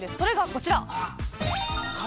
それがこちら。